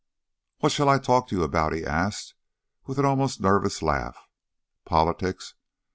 "What shall I talk to you about?" he asked with an almost nervous laugh. "Politics?